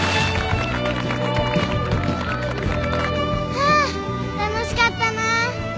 はあ楽しかったなあ。